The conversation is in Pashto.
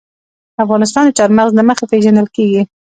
افغانستان د چار مغز له مخې پېژندل کېږي.